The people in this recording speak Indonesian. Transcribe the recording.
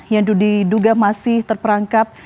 yang diduga masih terperangkap